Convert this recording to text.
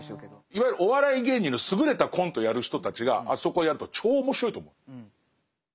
いわゆるお笑い芸人の優れたコントをやる人たちがあそこをやると超面白いと思う。